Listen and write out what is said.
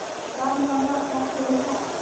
Vanpang ah ca ṭial hlah.